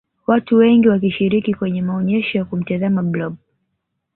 watu wengi wakishiriki kwenye maonyesho ya kumtazama blob